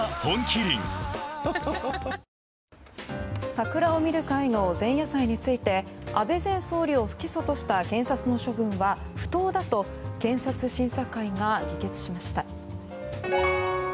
桜を見る会の前夜祭について安倍前総理を不起訴とした検察の処分は不当だと検察審査会が議決しました。